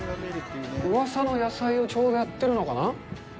うわさの野菜をちょうどやってるのかな。